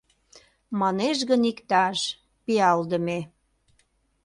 Манеш гын иктаж: пиалдыме